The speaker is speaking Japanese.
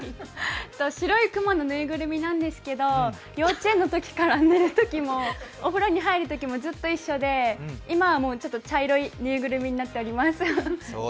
白い熊の縫いぐるみなんですが幼稚園のときから寝るときも、お風呂に入るときもずっと一緒で、今はもう茶色いぬいぐるみになっています。